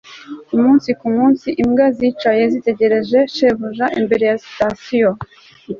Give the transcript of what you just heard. Umunsi ku munsi imbwa yicaye itegereje shebuja imbere ya sitasiyo